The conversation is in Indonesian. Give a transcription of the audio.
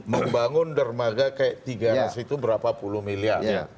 membangun dermaga kayak tiga ratus itu berapa puluh miliar